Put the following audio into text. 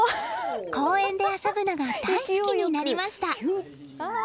公園で遊ぶのが大好きになりました。